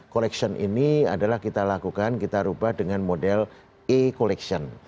collection ini adalah kita lakukan kita ubah dengan model e collection